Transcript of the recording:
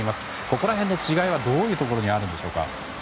この辺の違いはどういうところでしょうか。